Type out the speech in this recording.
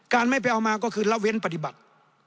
ไม่ไปเอามาก็คือละเว้นปฏิบัติ